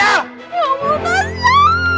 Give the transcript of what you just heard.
ya allah tasya